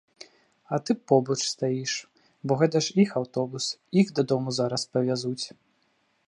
А ты побач стаіш, бо гэта ж іх аўтобус, іх дадому зараз павязуць.